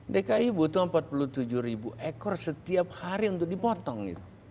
dki butuh empat puluh tujuh ribu ekor setiap hari untuk dipotong